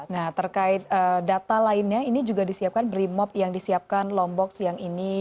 nah terkait data lainnya ini juga disiapkan brimop yang disiapkan lombok siang ini